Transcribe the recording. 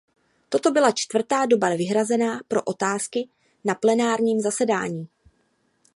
Toto byla čtvrtá doba vyhrazená pro otázky na plenárním zasedání.